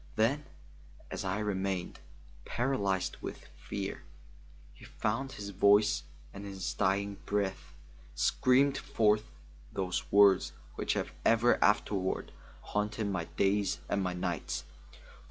Then, as I remained, paralyzed with fear, he found his voice and in his dying breath screamed forth those words which have ever afterward haunted my days and my nights.